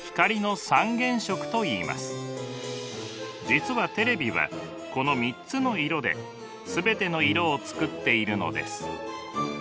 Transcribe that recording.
実はテレビはこの３つの色で全ての色を作っているのです。